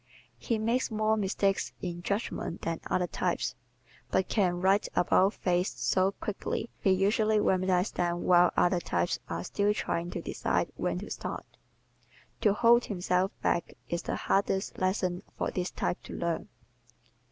He makes more mistakes in judgment than other types but can "right about face" so quickly he usually remedies them while other types are still trying to decide when to start. To hold himself back is the hardest lesson for this type to learn.